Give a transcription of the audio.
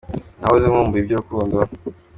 Nahoze nkumbuye iby’urukundo